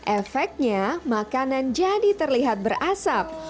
efeknya makanan jadi terlihat berasap